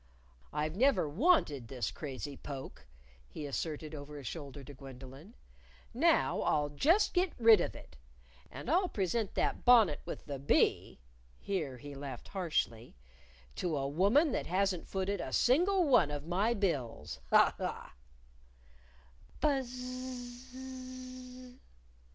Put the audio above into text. "I've never wanted this crazy poke," he asserted over a shoulder to Gwendolyn. "Now, I'll just get rid of it. And I'll present that bonnet with the bee" (here he laughed harshly) "to a woman that hasn't footed a single one of my bills. Ha! ha!" _Buzz z z z!